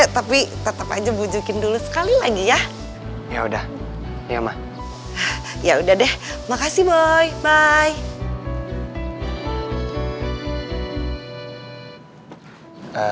tapi tetap aja bujukin dulu sekali lagi ya ya udah ya ma ya udah deh makasih boy bye bye